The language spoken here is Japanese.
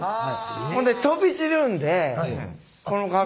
ほんで飛び散るんでこの格好を。